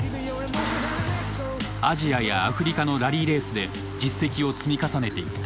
アジアやアフリカのラリーレースで実績を積み重ねていった。